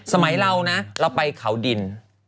สมัยเรานะเราไปเขาดิน